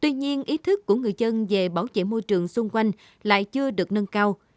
tuy nhiên ý thức của người dân về bảo vệ môi trường xung quanh lại chưa được nâng cao